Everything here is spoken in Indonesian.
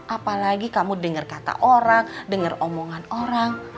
apalagi kamu denger kata orang denger omongan orang